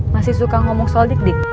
masih suka ngomong soal dik dik